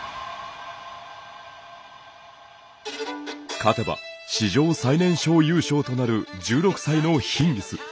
勝てば史上最年少優勝となる１６歳のヒンギス。